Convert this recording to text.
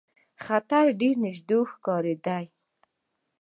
خطر ډېر نیژدې ښکارېدی.